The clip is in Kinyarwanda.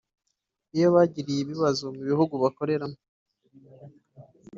iyo bagiriye ibibazo mu bihugu bakoreramo